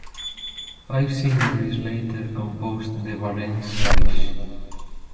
Five seignories later composed the Varennes parish.